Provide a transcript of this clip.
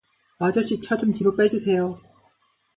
아저씨 차 좀 뒤로 좀 빼주세요